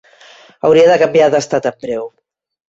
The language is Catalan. Hauria de canviar d'estat en breu.